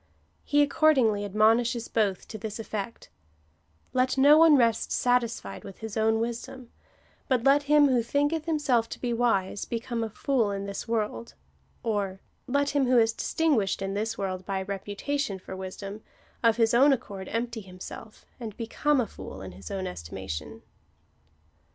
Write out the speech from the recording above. He accordingly admonishes both to this eifect —" Let no one rest satisfied with his own wisdom, but let him who thinketh himself to be wise, become a fool in this world," or, " Let him who is distinguished in this world by reputation for wisdom, of his own accord empty himself,^ and become a fool in his own estimation."